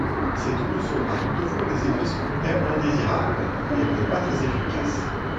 Cette mesure a toutefois des effets secondaires indésirables et elle n'est pas très efficace.